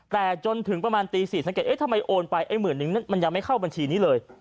แต่จนถึงประมาณตี๔สังเกตทำไมโอนไป๑๑๐๐๐บาทมันยังไม่เข้าบัญชีนี้เลย